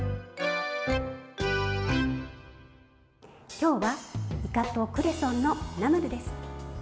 今日はいかとクレソンのナムルです。